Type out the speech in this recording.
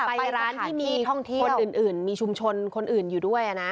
ไปร้านที่มีท่องที่คนอื่นมีชุมชนคนอื่นอยู่ด้วยนะ